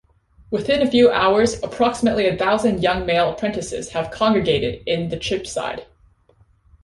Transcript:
Within a few hours approximately a thousand young male apprentices had congregated in Cheapside.